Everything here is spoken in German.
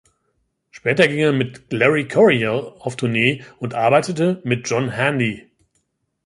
Später ging er mit Larry Coryell auf Tournee und arbeitete mit John Handy.